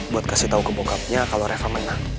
buat kasih tau ke bokapnya kalau reva menang